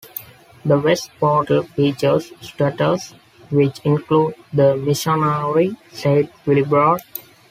The west portal features statues which include the missionary Saint Willibrord.